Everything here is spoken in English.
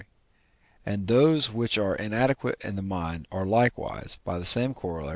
and those which are inadequate in the mind are likewise (by the same Coroll.)